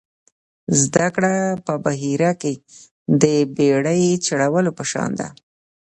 زده کړه په بحیره کې د بېړۍ چلولو په شان ده.